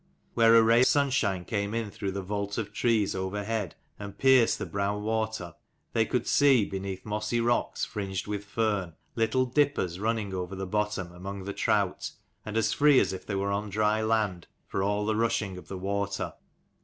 Where a ray of sunshine came in through the vault of trees overhead and pierced the brown water, they could see, beneath mossy rocks fringed with fern, little dippers running over the bottom among the trout, and as free as if they were on dry land, for all the rushing of the water.